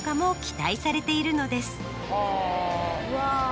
うわ。